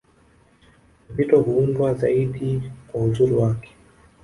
Vito huundwa zaidi kwa uzuri wake